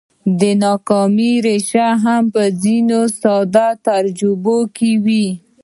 د ناکامۍ ريښې هم په ځينو ساده تجربو کې دي.